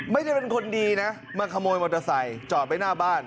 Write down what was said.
ไม่ได้เป็นคนดีนะมาขโมยมอเตอร์ไซค์จอดไว้หน้าบ้าน